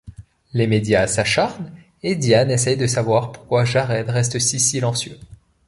Les médias s'acharnent et Diane essaye de savoir pourquoi Jared reste si silencieux.